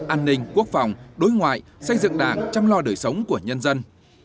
an ninh quốc phòng đối ngoại xây dựng đảng chăm lo đời sống của nhân dân